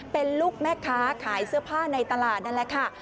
เป็นลูกแม่ค้าขายเสื้อผ้าในตลาดนั่นแหละค่ะ